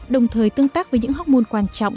đồng thời tương tác với những hóc môn quan trọng